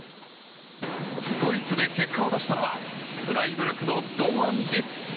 ドイツで結果を出したのはフライブルクの堂安律。